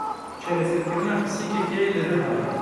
Çereserkirina pisîkekê li Rihayê.